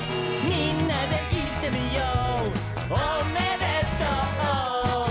「みんなでいってみよう」